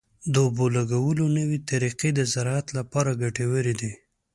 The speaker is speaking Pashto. د اوبو لګولو نوې طریقې د زراعت لپاره ګټورې دي.